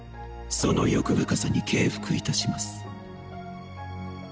その欲深さに敬服いたします。